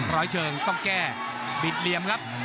ร้อยเชิงต้องแก้บิดเหลี่ยมครับ